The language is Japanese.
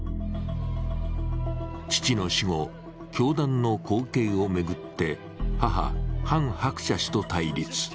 父の死後、教団の後継を巡って、母・ハン・ハクチャ氏と対立。